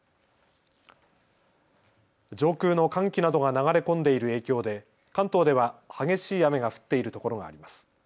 上空の寒気などが流れ込んでいる影響で関東では激しい雨が降っているところがあります。